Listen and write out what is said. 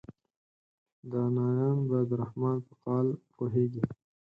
دانایان به د رحمان په قال پوهیږي.